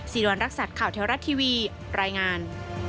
สีดวันรักษัตริย์ข่าวแถวรัฐทีวีรายงาน